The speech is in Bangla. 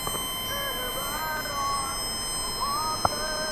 তার মানে কী হল?